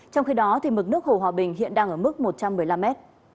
trong khi đó mực nước hồ hòa bình hiện đang ở mức một trăm một mươi năm mét